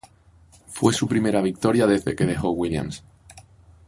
Fue su primera victoria desde que dejó Williams.